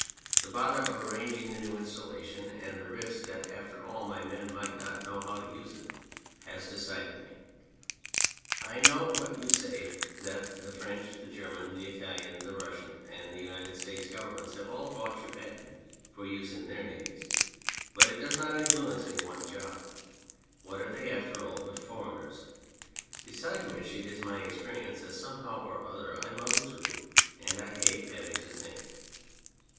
The bother of arranging the new installa tion, and the risk that, after all, my men might not know how to use it, has decided me. I note what you say, that the French, the German, the Italian, the Russian, and the United States Governments have all bought your patent for use in their Navies ; but it does not influence me one jot. What are they, after all, but foreigners ? Besides which, it is my experience that somehow or other I muddle through, and I hate having to think.